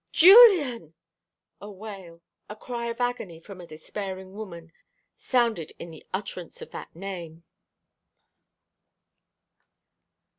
"Julian!" A wail a cry of agony from a despairing woman sounded in the utterance of that name.